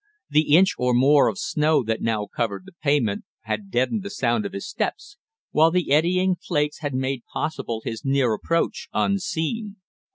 The inch or more of snow that now covered the pavement had deadened the sound of his steps, while the eddying flakes had made possible his near approach unseen.